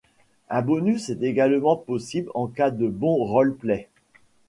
Un bonus est également possible en cas de bon roleplay.